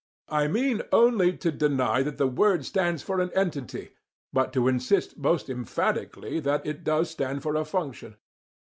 "I mean only to deny that the word stands for an entity, but to insist most emphatically that it does stand for a function.